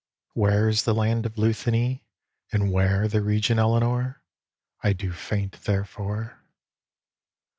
Where is the land of Luthany, And where the region Elenore? I do faint therefor.